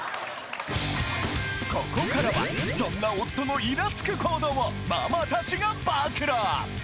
・ここからはそんな夫のイラつく行動をママ達が暴露！